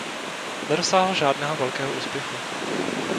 Nedosáhl žádného velkého úspěchu.